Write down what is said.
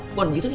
bu gitu ya